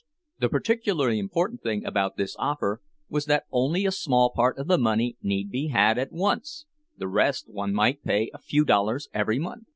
The particularly important thing about this offer was that only a small part of the money need be had at once—the rest one might pay a few dollars every month.